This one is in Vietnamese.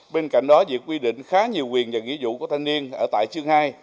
bên cạnh đó việc quy định khá nhiều quyền và nghĩa vụ của thanh niên ở tại chương hai